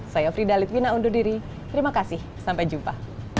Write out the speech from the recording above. saya frida litwina undur diri terima kasih sampai jumpa